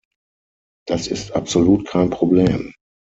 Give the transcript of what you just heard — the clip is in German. Das ist absolut kein Problem.